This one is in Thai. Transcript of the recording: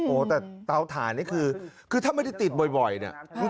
โอ้โหแต่เตาถ่านนี่คือถ้าไม่ได้ติดบ่อยเนี่ย